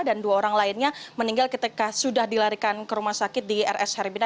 dan dua orang lainnya meninggal ketika sudah dilarikan ke rumah sakit di rs herbina